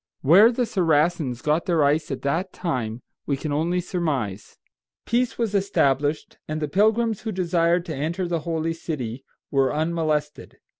Where the Saracens got their ice at that time we can only surmise. Peace was established, and the pilgrims who desired to enter the holy city were unmolested.